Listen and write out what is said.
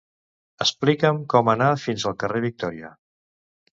Explica'm com anar fins al carrer Victòria.